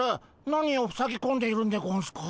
何をふさぎこんでいるんでゴンスか？